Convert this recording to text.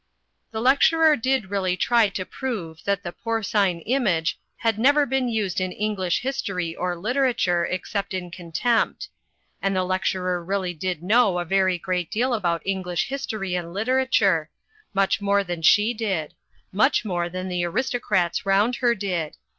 The lecturer did really try to prove that the "por cine image'* had never been used in English history or literature, except in contempt. And the lecturer really did know a very great deal about English his tory and literature: much more than she did; much more than the aristocrats round her did.